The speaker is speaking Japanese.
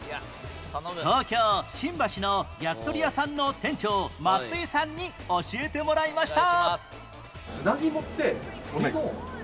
東京新橋の焼き鳥屋さんの店長松井さんに教えてもらいました